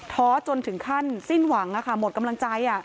้อจนถึงขั้นสิ้นหวังหมดกำลังใจ